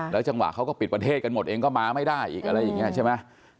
จังหวะเขาก็ปิดประเทศกันหมดเองก็มาไม่ได้อีกอะไรอย่างนี้ใช่ไหม